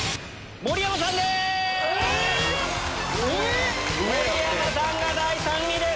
⁉盛山さんが第３位です！